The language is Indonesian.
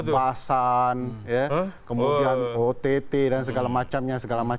pembahasan kemudian ott dan segala macamnya